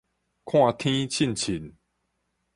看天凊凊